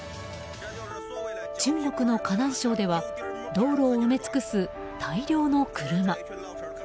中国の河南省では道路を埋め尽くす大量の車。